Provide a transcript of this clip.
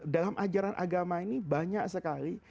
dalam ajaran agama ini banyak sekali